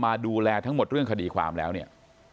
มาดูแลทั้งหมดเรื่องคดีความแล้วเนี่ย